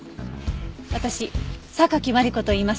私榊マリコといいます。